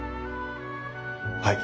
はい。